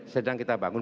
sedang kita bangun